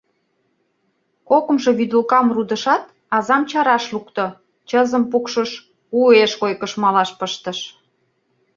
Кокымшо вӱдылкам рудышат, азам чараш лукто, чызым пукшыш, уэш койкыш малаш пыштыш.